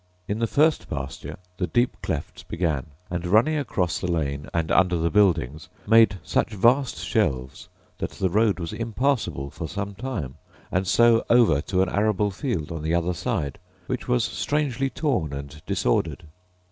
In the first pasture the deep clefts began: and running across the lane, and under the buildings, made such vast shelves that the road was impassable for some time; and so over to an arable field on the other side, which was strangely torn and disordered.